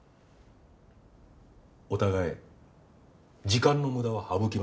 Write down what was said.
お互い時間の無駄は省きましょう。